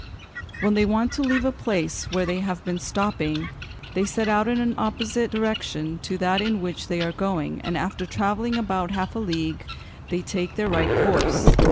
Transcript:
"When they want to leave a place where they have been stopping, they set out in an opposite direction to that in which they are going, and after travelling about half a league they take their right course.